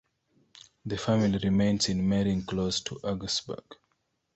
The family remains in Mering close to Augsburg.